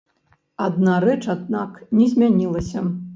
Адна рэч, аднак, не змянілася.